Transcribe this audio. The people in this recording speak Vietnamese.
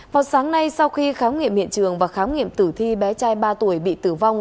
vào sáng nay sau khi khám nghiệm hiện trường và khám nghiệm tử thi bé trai ba tuổi bị tử vong